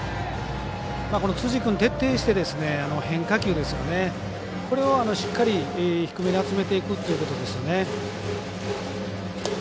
辻君、徹底して変化球、これをしっかり低めに集めていくということですよね。